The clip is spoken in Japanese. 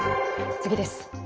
次です。